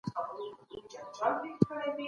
په دفترونو کي باید د خلګو په وړاندي دروازې خلاصې وي.